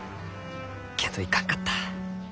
けんどいかんかった。